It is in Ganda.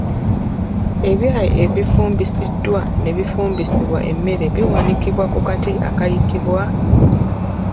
Ebyayi ebifumbisiddwa n'ebifumbisibwa emmere biwanikibwa ku kati akayitibwa?